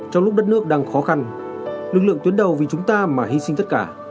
trong lúc đất nước đang khó khăn lực lượng tuyến đầu vì chúng ta mà hy sinh tất cả